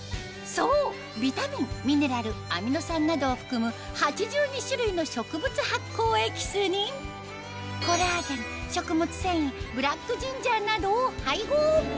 そうビタミンミネラルアミノ酸などを含む８２種類の植物発酵エキスにコラーゲン食物繊維ブラックジンジャーなどを配合